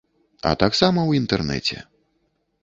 А таксама ў інтэрнэце.